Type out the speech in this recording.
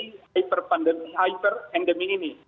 jadi kita harus berharap untuk menangani pandemi ini